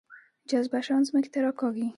جاذبه شیان ځمکې ته راکاږي